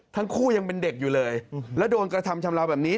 ทั้งคู่ยังเป็นเด็กอยู่เลยแล้วโดนกระทำชำราวแบบนี้